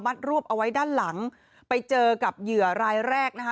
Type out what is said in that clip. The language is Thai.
รวบเอาไว้ด้านหลังไปเจอกับเหยื่อรายแรกนะคะ